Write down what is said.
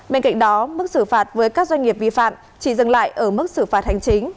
bên cạnh đó mức xử phạt với các doanh nghiệp vi phạm chỉ dừng lại ở mức xử phạt hành chính